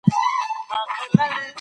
پرمختګ ټولنيزې همکارۍ ته اړتيا لري.